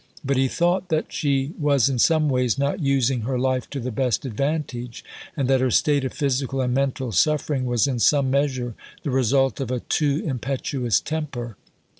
But he thought that she was in some ways not using her life to the best advantage, and that her state of physical and mental suffering was in some measure the result of a too impetuous temper.